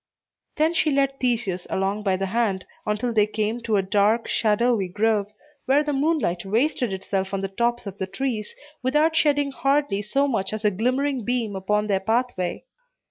Then she led Theseus along by the hand until they came to a dark, shadowy grove, where the moonlight wasted itself on the tops of the trees, without shedding hardly so much as a glimmering beam upon their pathway.